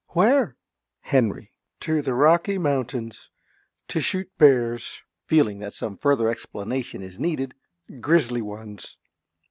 Where? ~Henry.~ To the Rocky Mountains. To shoot bears. (Feeling that some further explanation is needed.) Grizzly ones.